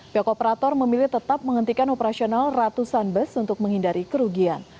pihak operator memilih tetap menghentikan operasional ratusan bus untuk menghindari kerugian